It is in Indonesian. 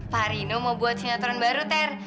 pak arino mau buat sinetron baru ter